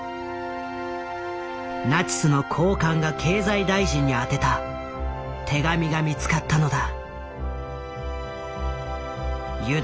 ナチスの高官が経済大臣に宛てた手紙が見つかったのだ。